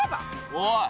おい。